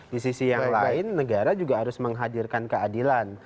di sisi yang lain negara juga harus menghadirkan keadilan